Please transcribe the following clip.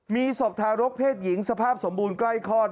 มีศพทารกเพศหญิงสภาพสมบูรณ์ใกล้คลอด